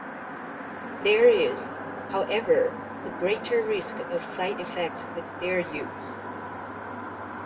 There is, however, a greater risk of side effects with their use.